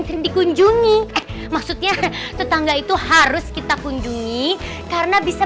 bukan dikunjungi maksudnya tetangga itu harus kita kundungi karena bisa